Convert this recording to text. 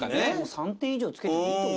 ３点以上つけてもいいと思う。